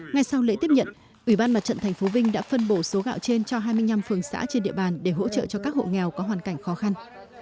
ngay sau lễ tiếp nhận ủy ban mặt trận tp vinh đã phân bổ số gạo trên cho hai mươi năm phường xã trên địa bàn để hỗ trợ cho các hộ nghèo có hoàn cảnh khó khăn